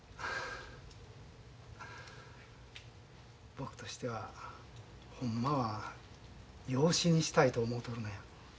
僕としてはほんまは養子にしたいと思うとるのや。